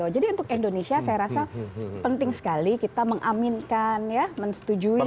jadi untuk indonesia saya rasa penting sekali kita mengaminkan ya menetujui ini